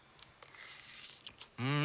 うん！